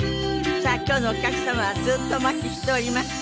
さあ今日のお客様はずっとお待ちしておりました